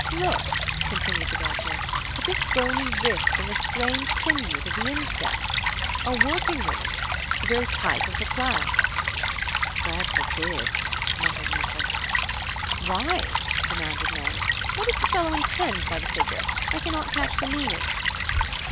"Look," continued the Doctor, "at this bony wrist, and the strained sinews of the instep! A working woman, the very type of her class." "God forbid!" muttered Mitchell. "Why?" demanded May, "What does the fellow intend by the figure? I cannot catch the meaning."